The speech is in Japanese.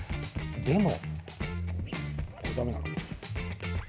でも。